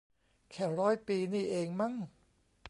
แค่ร้อยปีนี่เองมั้ง